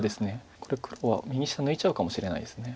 これ黒は右下抜いちゃうかもしれないです。